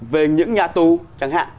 về những nhà tù chẳng hạn